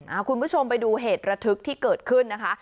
คุณผู้ชมไปดูเหตุระทึกที่เกิดขึ้นนะคะ